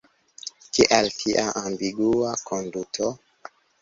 Kial tia ambigua konduto?